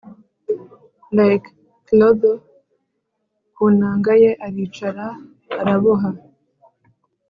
like clotho, ku nanga ye aricara araboha